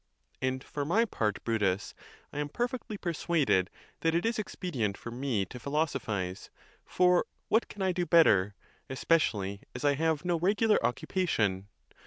And for my part, Brutus, I am perfectly persuaded that it is expedient for me to philosophize; for what can I do bet ter, especially as I have no regular occupation?